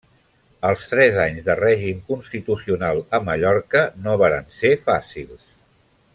Els tres anys de règim constitucional a Mallorca no varen ser fàcils.